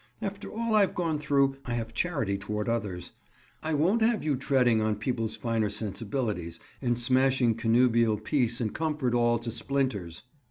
After all I've gone through, I have charity toward others. I won't have you treading on people's finer sensibilities and smashing connubial peace and comfort all to splinters."